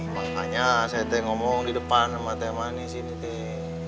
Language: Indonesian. makanya saya teh ngomong di depan sama teh manis ini teh